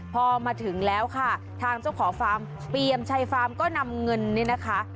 พอมาถึงแล้วค่ะทางเจ้าของฟาร์มเปียมชัยฟาร์มก็นำเงินเนี่ยนะคะ